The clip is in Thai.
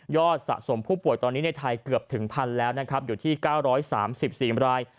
สะสมผู้ป่วยตอนนี้ในไทยเกือบถึงพันแล้วนะครับอยู่ที่๙๓๔ราย